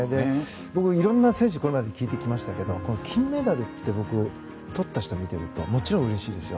僕、いろんな選手に聞いてきましたけど金メダルをとった人を見ているともちろん、うれしいですよ。